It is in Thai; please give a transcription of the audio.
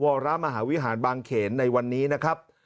วรมหาวิหารบางเขนในวันนี้นะครับ